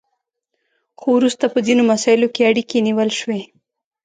خو وروسته په ځینو مساییلو کې اړیکې نیول شوي